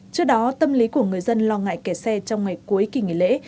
trước đó tâm lý của người dân lo ngại kẻ xe trong ngày cuối kỳ nghỉ lễ